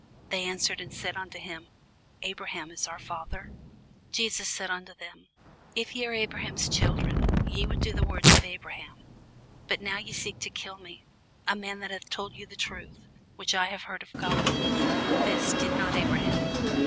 They answered and said unto him, Abraham is our father. Jesus saith unto them, If ye were Abraham's children, ye would do the works of Abraham. But now ye seek to kill me, a man that hath told you the truth, which I have heard of God: this did not Abraham.